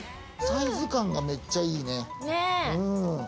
サイズ感がめっちゃいいね。